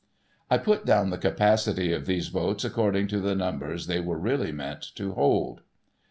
I put down the capacity of these boats according to the numbers they were really meant to hold.